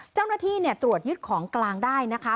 เจ้าหน้าที่ตรวจยึดของกลางได้นะคะ